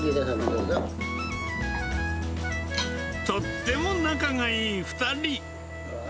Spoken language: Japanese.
とっても仲がいい２人。